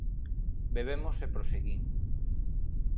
Bebemos e proseguín